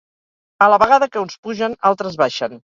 A la vegada que uns pugen, altres baixen.